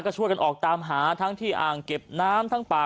ก็ช่วยกันออกตามหาทั้งที่อ่างเก็บน้ำทั้งป่า